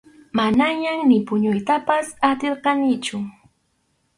Manañam ni puñuytapas atirqanichu.